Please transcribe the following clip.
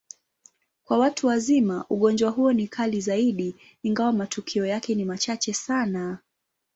Kwa watu wazima, ugonjwa huo ni kali zaidi, ingawa matukio yake ni machache sana.